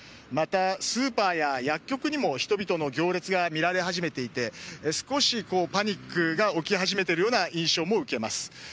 またスーパーや薬局にも人々の行列がみられていて少しパニックが起き始めているような印象も受けます。